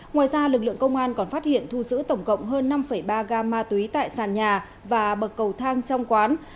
ngoài ra lực lượng công an còn phát hiện thu giữ tổng cộng hơn năm ba gam ma túy tại sàn nhà và bậc cầu thang trong quán